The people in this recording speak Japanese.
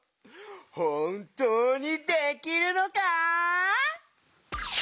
ほんとうにできるのか？